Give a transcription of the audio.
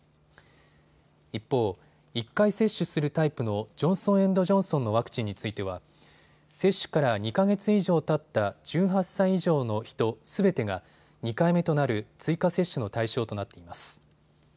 一方、１回接種するタイプのジョンソン・エンド・ジョンソンのワクチンについては接種から２か月以上たった１８歳以上の人すべてが２回目となる追加接種の対象となっています。